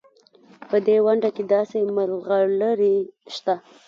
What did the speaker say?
په دې ونډه کې داسې ملغلرې شته.